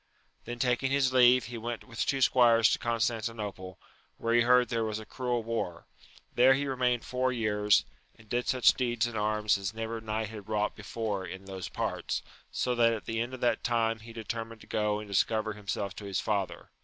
Then taking his leave, he went with two squires to Constantinople, where he heard there was a cruel war ; there he remained four years, and did such deeds in arms as never knight had wrought before in those parts, so that at the end of that time he determined to go and discover himself to his father.